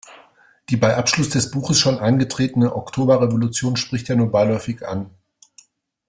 Die bei Abschluss des Buches schon eingetretene Oktoberrevolution spricht er nur beiläufig an.